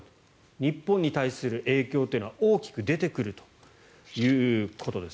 日本に対する影響というのは大きく出てくるということです。